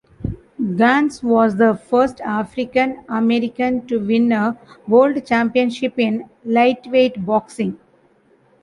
Gans was the first African American to win a World Championship in Lightweight Boxing.